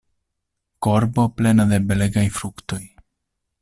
Korbo plena de belegaj fruktoj!